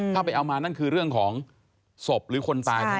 ถ้าไปเอามานั่นคือเรื่องของศพหรือคนตายแน่